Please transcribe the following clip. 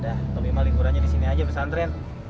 udah tommy mah lingkurannya disini aja pesantren